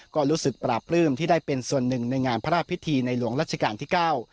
ก็รู้สึกปราบปลื้มที่ได้เป็นส่วนหนึ่งในงานพระราชพิธีในหลวงรัชกาลที่เก้า